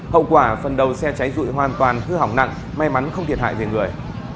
hậu quả phần đầu xe cháy dụi hoàn toàn hư hỏng nặng may mắn không thiệt hại về người